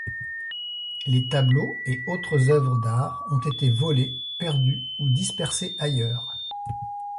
Les tableaux et autres œuvres d'art ont été volés, perdus ou dispersés ailleurs.